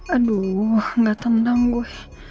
aduh gak tendang gue